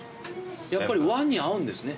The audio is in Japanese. やっぱり和に合うんですね。